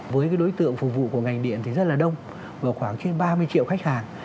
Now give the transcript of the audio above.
với đối tượng phục vụ của ngành điện thì rất là đông và khoảng trên ba mươi triệu khách hàng